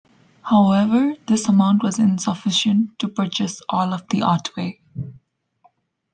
However, this amount was insufficient to purchase all of the Otway.